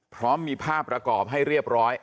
พร้อมมีภาพประกอบให้เรียบร้อย